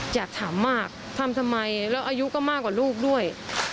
อยากถามมากทำทำไมแล้วอายุก็มากกว่าลูกด้วย